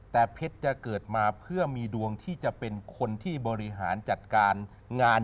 แต่เพชรจะเกิดมาเพื่อมีดวงที่จะเป็นคนที่บริหารจัดการงาน